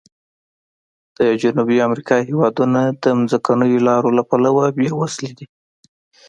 د جنوبي امریکا هېوادونه د ځمکنیو لارو له پلوه بې وزلي دي.